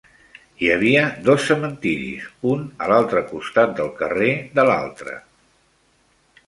Hi havia dos cementiris, un a l'altre costat del carrer de l'altre.